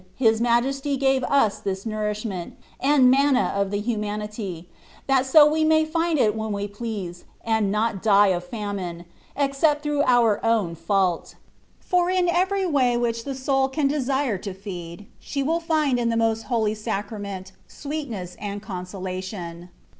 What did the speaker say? His Majesty gave us this nourishment, and manna of the humanity,* that so we may find it when we please, and not die of famine, except through our own fault; for in every way which the soul can desire to feed, she will find in the Most Holy Sacrament sweetness and consolation.